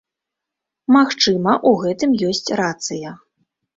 Магчыма, у гэтым ёсць рацыя.